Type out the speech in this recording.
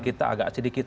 kita agak sedikit